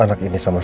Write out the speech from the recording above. aku ingin berangkat